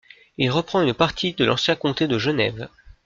Il reprend une partie de l'ancien comté de Genève.